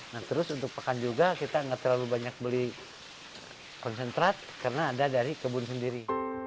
nah terus untuk pekan juga kita nggak terlalu banyak beli konsentrat karena ada dari kebun sendiri